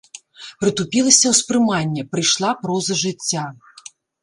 Прытупілася ўспрыманне, прыйшла проза жыцця.